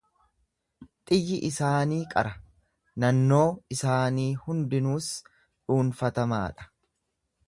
Xiyyi isaanii qara, nannoo isaanii hundinuus dhuunfatamaa dha.